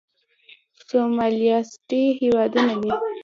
سوسيالېسټي هېوادونه دي.